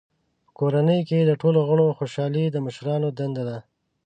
په کورنۍ کې د ټولو غړو خوشحالي د مشرانو دنده ده.